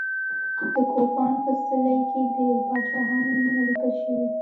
د کوپان په څلي کې د پاچاهانو نومونه لیکل شوي دي.